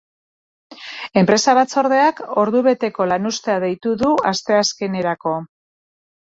Enpresa-batzordeak ordubeteko lanuztea deitu du asteazkenerako.